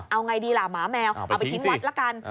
เอาไงดีล่ะหมาแมวเอาไปทิ้งวัดละกัน